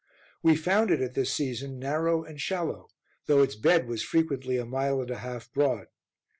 We found it at this season narrow and shallow, though its bed was frequently a mile and a half broad.